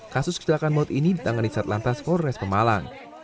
kasus kesilakan maut ini ditangani sat lantas polres pemalang